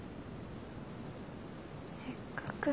せっかく。